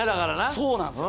そうなんですよ。